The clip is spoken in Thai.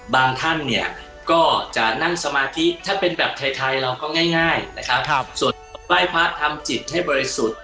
ท่านเนี่ยก็จะนั่งสมาธิถ้าเป็นแบบไทยเราก็ง่ายนะครับสวดไหว้พระทำจิตให้บริสุทธิ์